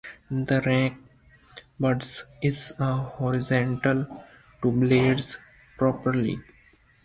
The rank badge is a horizontal two-bladed propeller.